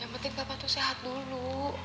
yang penting bapak tuh sehat dulu